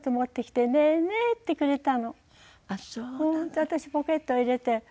で私ポケット入れて。